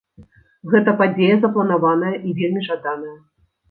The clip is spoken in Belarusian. Гэта падзея запланаваная і вельмі жаданая.